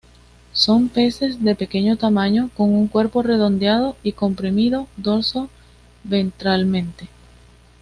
Son peces de pequeño tamaño, con un cuerpo redondeado y comprimido dorso-ventralmente.